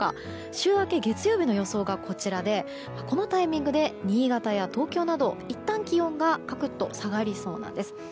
週明け月曜日の予想がこちらでこのタイミングで新潟や東京など、いったん気温がかくっと下がりそうなんです。